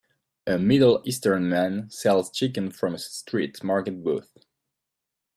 A middle eastern man sells chicken from a street market booth